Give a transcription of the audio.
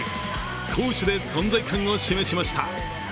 攻守で存在感を示しました。